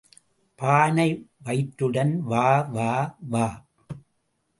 பானை வயிற்றுடன் வா வா வா.